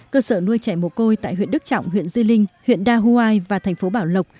cơ sở nuôi trẻ mồ côi tại huyện đức trọng huyện di linh huyện đa huai và thành phố bảo lộc